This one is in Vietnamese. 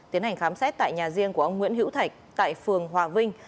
tiến hành khám xét tại nhà riêng của ông nguyễn hữu thạch tại phường hòa vinh